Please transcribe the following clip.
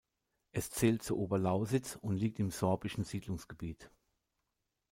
Es zählt zur Oberlausitz und liegt im Sorbischen Siedlungsgebiet.